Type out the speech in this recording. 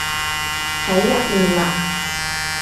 喺入面嘞